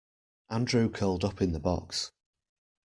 Andrew curled up in the box.